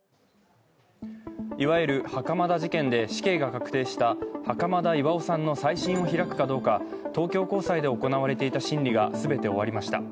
いわゆる袴田事件で死刑が確定した袴田巌さんの再審を開くかどうか東京高裁で行われていた審理が全て終わりました。